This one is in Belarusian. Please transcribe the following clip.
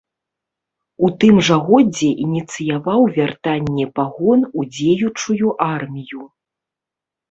У тым жа годзе ініцыяваў вяртанне пагон у дзеючую армію.